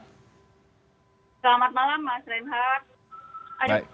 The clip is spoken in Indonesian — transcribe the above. selamat malam mas reinhardt